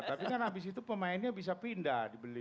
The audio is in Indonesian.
tapi kan habis itu pemainnya bisa pindah dibeli